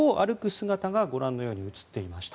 姿がご覧のように映っていました。